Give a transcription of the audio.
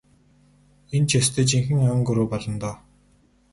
Энэ ч ёстой жинхэнэ ан гөрөө болно доо.